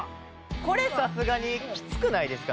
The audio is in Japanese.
これさすがにきつくないですか？